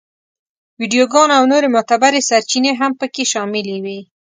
ویډیوګانې او نورې معتبرې سرچینې هم په کې شاملې وې.